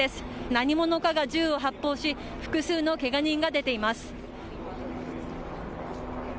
何者かが銃を発砲し複数のけが人が出ています。